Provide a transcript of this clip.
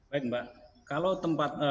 baik mbak kalau tempat